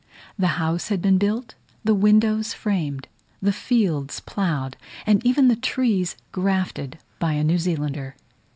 The house had been built, the windows framed, the fields ploughed, and even the trees grafted, by a New Zealander.